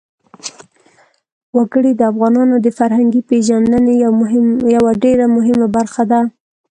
وګړي د افغانانو د فرهنګي پیژندنې یوه ډېره مهمه برخه ده.